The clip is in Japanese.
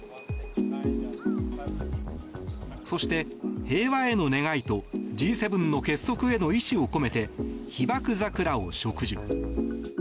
そして、平和への願いとＧ７の結束への意思を込めて被爆桜を植樹。